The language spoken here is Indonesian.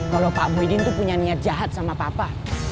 kalau pak muhyiddin punya niat jahat sama papa